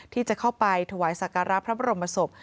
ที่จะเข้าไปถวายสักการะพระบรมศพ